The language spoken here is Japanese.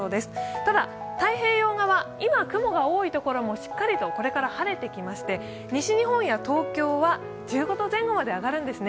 ただ、太平洋側、今、雲が多い所もこれからしっかり晴れてきまして西日本や東京は１５度前後まで上がるんですね。